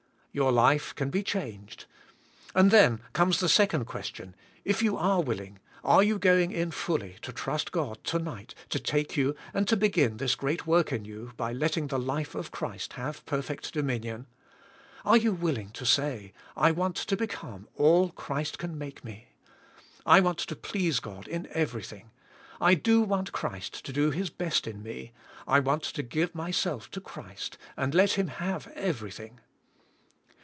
Your life can be changed, and then comes the second question, if you are willing are you going in fully to trust God, to night, to take you and to begin this great work in you by letting the life of Christ have perfect dominion? Are you willing to say, I want to become all Christ can make me ? I want to please God in everj^thing. I do want Christ to do His best in me, I want to give mj^self to Christ, to let Him have everything.